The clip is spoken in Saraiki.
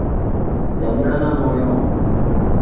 ڄمدا ناں موئیوں